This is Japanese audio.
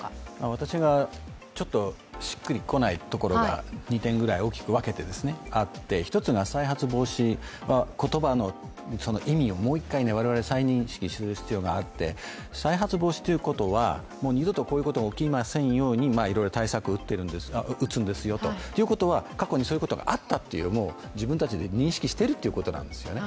私がしっくりこないところが２点くらいあって１つが再発防止、言葉の意味をもう一回我々、再認識する必要があって再発防止ということは、もう二度とこういうことが起きませんように対策を打つんですがということは、過去にそういうことがあったと、自分たちで認識してるということなんですね。